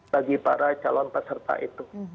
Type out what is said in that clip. bagi para calon peserta itu